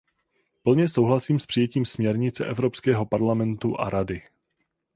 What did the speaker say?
Plně souhlasím s přijetím směrnice Evropského parlamentu a Rady.